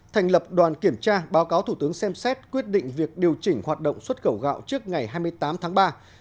thành lập đoàn kiểm tra báo cáo thủ tướng xem xét quyết định việc điều chỉnh hoạt động xuất khẩu gạo trước ngày hai mươi tám tháng ba